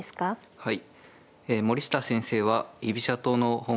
はい。